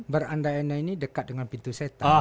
beranda anda ini dekat dengan pintu setan